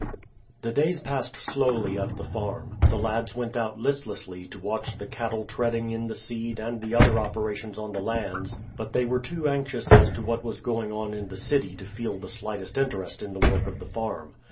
The days passed slowly at the farm. The lads went out listlessly to watch the cattle treading in the seed and the other operations on the lands, but they were too anxious as to what was going on in the city to feel the slightest interest in the work of the farm.